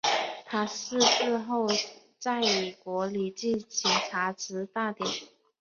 他逝世后在以国礼举行荼毗大典。